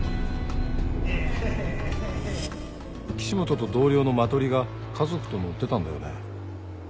岸本と同僚のマトリが家族と乗ってたんだよね。